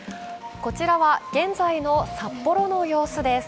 こちらは現在の札幌の様子です。